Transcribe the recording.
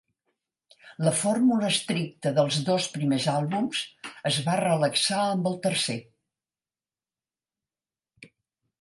La fórmula estricta dels dos primers àlbums es va relaxar amb el tercer.